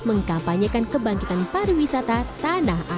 mengkampanyekan kebangkitan pariwisata